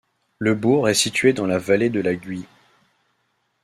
Le bourg est situé dans la vallée de La Guye.